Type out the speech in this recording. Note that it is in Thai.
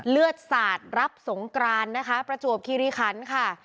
เลือดสาดรับสงกรานนะคะประจวบคิริคันค่ะ